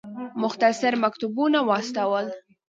مختصر مکتوبونه واستول.